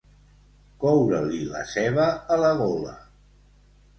Coure-li la ceba a la gola.